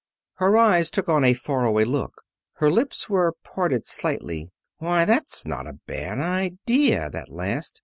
Her eyes took on a far away look. Her lips were parted slightly. "Why, that's not a bad idea that last.